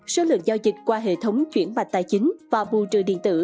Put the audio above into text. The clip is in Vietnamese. số lượng giao dịch qua hệ thống chuyển bạch tài chính và bù trừ điện tử